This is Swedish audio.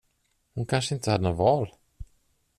Hon kanske inte hade något val?